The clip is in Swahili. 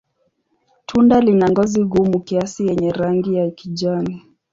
Tunda lina ngozi gumu kiasi yenye rangi ya kijani.